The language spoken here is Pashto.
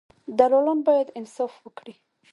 دلالان باید انصاف وکړي.